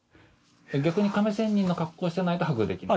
逆に亀仙人の格好してないとハグできない？